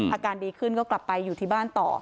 อาการดีขึ้นก็กลับไปอยู่ที่บ้านต่อ